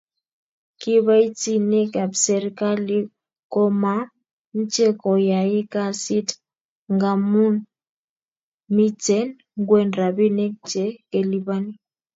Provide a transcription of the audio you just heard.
Kibaitinik ab serkali komamche koyai kasit ngamun miten ngwen rapinik che kelipani